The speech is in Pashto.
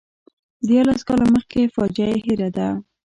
دیارلس کاله مخکې فاجعه یې هېره ده.